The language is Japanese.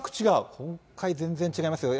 今回、全然違いますよ。